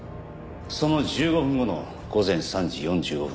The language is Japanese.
その１５分後の午前３時４５分